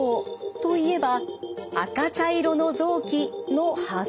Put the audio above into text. といえば赤茶色の臓器のはず。